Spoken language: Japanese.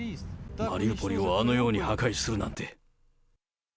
マリウポリをあのように破壊するなんて。